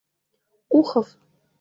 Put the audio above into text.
— Ухов.